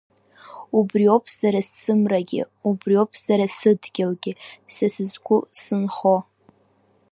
Убриоуп сара сымрагьы, убриоуп сара сыдгьылгьы, са сызқәу сынхо.